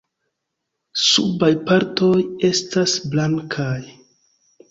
Subaj partoj estas blankaj.